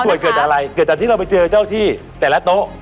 ส่วนเกิดอะไรเกิดจากที่เราไปเจอเจ้าที่แต่ละโต๊ะ